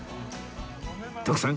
徳さん